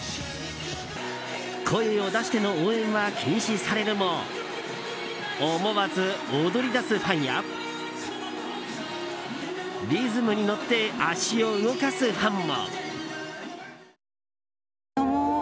声を出しての応援は禁止されるも思わず踊りだすファンやリズムに乗って足を動かすファンも。